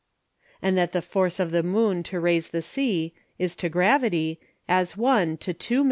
And that the Force of the Moon to raise the Sea is to Gravity, as 1 to 2031821.